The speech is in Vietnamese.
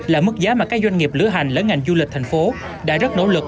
là mức giá mà các doanh nghiệp lửa hành lớn ngành du lịch thành phố đã rất nỗ lực